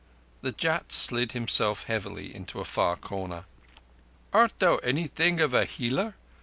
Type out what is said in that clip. The Jat slid himself heavily into a far corner. "Art thou anything of a healer?